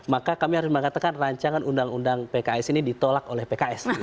maka kami harus mengatakan rancangan undang undang pks ini ditolak oleh pks